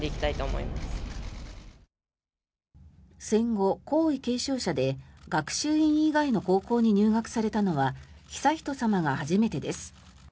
戦後、皇位継承者で学習院以外の高校に入学されたのは悠仁さまが初めてです。